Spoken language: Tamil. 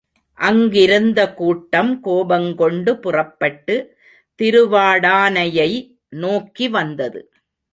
அங்கிருந்த கூட்டம் கோபங்கொண்டு புறப்பட்டு திருவாடானையை நோக்கி வந்தது.